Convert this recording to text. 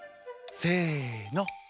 せの！